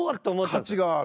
価値がある。